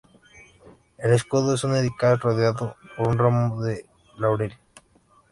El escudo es un cáliz rodeado por un ramo de laurel.